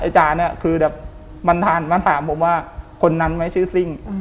จานเนี่ยคือแบบมันถามผมว่าคนนั้นไหมชื่อซิ่ง